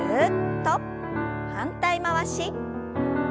反対回し。